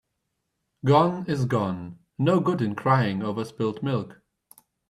Gone is gone. No good in crying over spilt milk